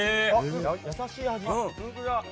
優しい味。